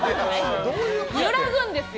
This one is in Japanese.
揺らぐんですよ。